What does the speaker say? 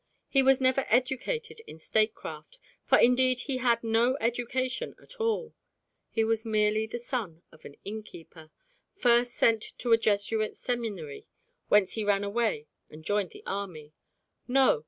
He was never educated in statecraft, for indeed he had no education at all; he was merely the son of an innkeeper, first sent to a Jesuit seminary, whence he ran away and joined the army. No!